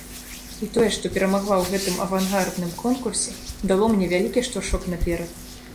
І тое, што перамагла ў гэтым авангардным конкурсе, дало мне вялікі штуршок наперад.